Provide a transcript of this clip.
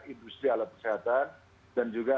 industri alat kesehatan dan juga